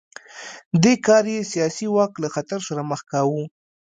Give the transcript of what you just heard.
دې کار یې سیاسي واک له خطر سره مخ کاوه.